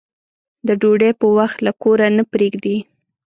د ډوډۍ په وخت له کوره نه پرېږدي.